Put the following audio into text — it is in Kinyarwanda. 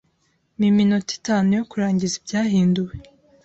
Mpa iminota itanu yo kurangiza ibyahinduwe.